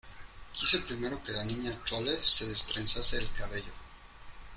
quise primero que la Niña Chole se destrenzase el cabello